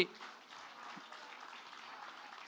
sebagai bakal calon presiden republik indonesia